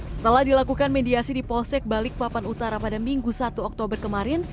setelah dilakukan mediasi di polsek balikpapan utara pada minggu satu oktober kemarin